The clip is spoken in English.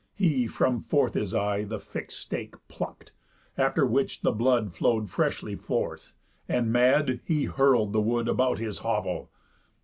He from forth his eye The fixed stake pluck'd; after which the blood Flow'd freshly forth; and, mad, he hurl'd the wood About his hovel.